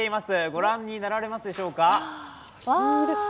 ご覧になられますでしょうか？